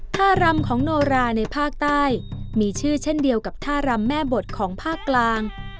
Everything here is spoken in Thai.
ท่ารำของโนราในภาคใต้มีชื่อเช่นเดียวกับท่ารำแม่บทของภาคกลาง